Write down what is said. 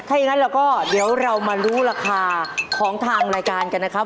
ถ้าอย่างนั้นเราก็เดี๋ยวเรามารู้ราคาของทางรายการกันนะครับ